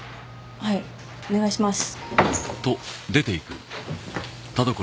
はいお願いします